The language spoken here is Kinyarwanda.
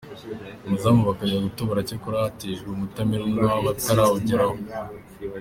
umuzamu bakajya gutobora cyakora ho bateshejwe umutamenwa batarawugeraho!.